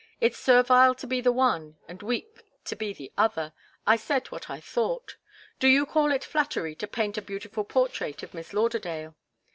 It's servile to be the one and weak to be the other. I said what I thought. Do you call it flattery to paint a beautiful portrait of Miss Lauderdale?"